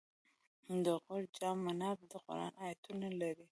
د غور جام منار د قرآن آیتونه لري